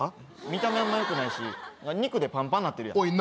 見た目あんまよくないし肉でパンパンなってるやんおい